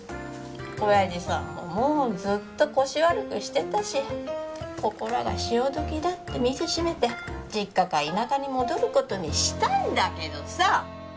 親父さんももうずっと腰悪くしてたしここらが潮時だって店閉めて実家か田舎に戻ることにしたんだけどさ